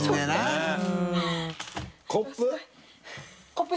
コップ。